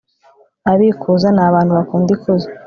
abikuza ni abantu bakunda ikuzo